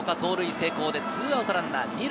成功で２アウトランナー２塁。